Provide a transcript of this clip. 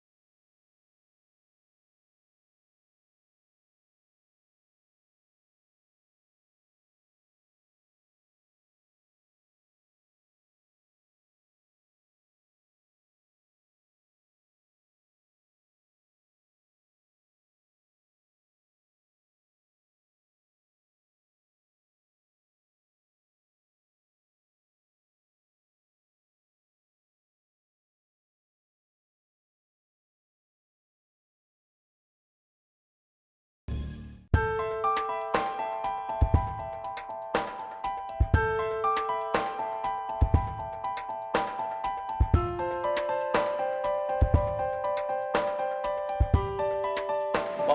soal balapan soal ribut soal cewek